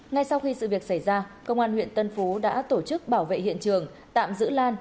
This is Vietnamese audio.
ngay sau khi sự việc xảy ra công an huyện tân phú đã tổ chức bảo vệ hiện trường tạm giữ lan